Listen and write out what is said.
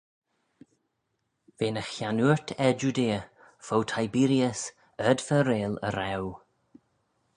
V'eh ny chiannoort er Judea, fo Tiberius ard-fer-reill y Raue.